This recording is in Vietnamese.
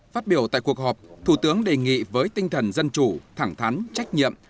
phát biểu tại cuộc họp thủ tướng đề nghị với tinh thần dân chủ thẳng thắn trách nhiệm